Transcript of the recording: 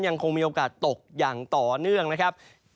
ยังคงมีโอกาสตกอย่างต่อเนื่องนะครับ